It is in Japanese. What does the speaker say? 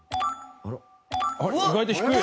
意外と低い。